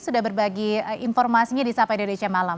sudah berbagi informasinya di sapa indonesia malam